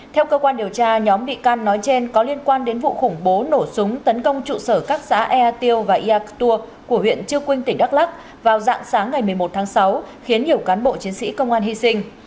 theo cơ quan điều tra nhóm bị can nói trên có liên quan đến vụ khủng bố nổ súng tấn công trụ sở các xã ea tiêu và ia cà tùa của huyện chư quynh tỉnh đắk lắc vào dạng sáng ngày một mươi một tháng sáu khiến nhiều cán bộ chiến sĩ công an hy sinh